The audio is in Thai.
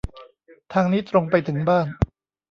ทางนี้ตรงไปถึงบ้าน